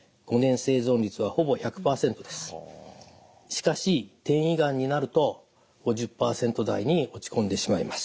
しかし転移がんになると５０％台に落ち込んでしまいます。